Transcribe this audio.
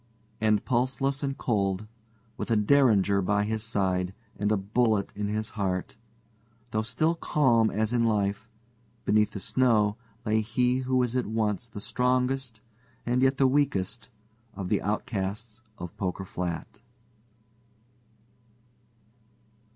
And pulseless and cold, with a Derringer by his side and a bullet in his heart, though still calm as in life, beneath the snow lay he who was at once the strongest and yet the weakest of the outcasts of Poker Flat.